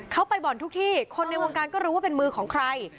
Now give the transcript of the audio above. เขาไปบ่อนทุกที่คนในวงการก็รู้ว่าเป็นมือของใคร